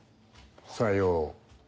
さよう。